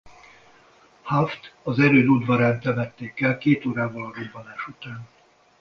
Hough-t az erőd udvarán temették el két órával a robbanás után.